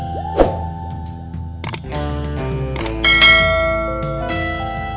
tapi yang saya tahu sekarang